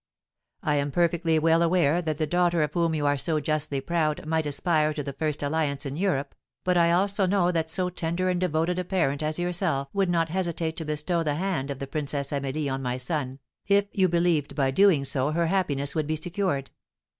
"I am perfectly well aware that the daughter of whom you are so justly proud might aspire to the first alliance in Europe, but I also know that so tender and devoted a parent as yourself would not hesitate to bestow the hand of the Princess Amelie on my son, if you believed by so doing her happiness would be secured.